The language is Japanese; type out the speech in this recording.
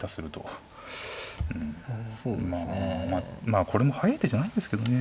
まあこれも速い手じゃないんですけどね。